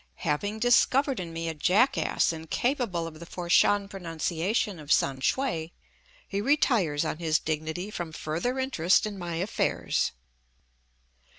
Having discovered in me a jackass incapable of the Fat shan pronunciation of Sam shue, he retires on his dignity from further interest in my affairs.